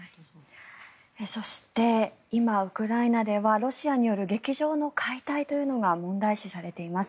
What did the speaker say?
そして今、ウクライナではロシアによる劇場の解体というのが問題視されています。